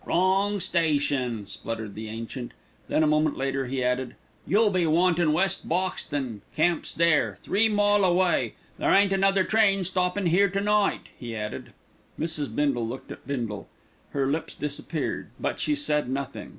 "Wrong station," spluttered the ancient. Then a moment later he added, "You be wantin' West Boxton. Camp's there. Three mile away. There ain't another train stoppin' here to night," he added. Mrs. Bindle looked at Bindle. Her lips had disappeared; but she said nothing.